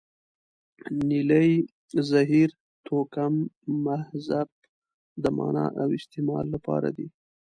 نیلې، زهیر، توکم، مهذب د معنا او استعمال لپاره دي.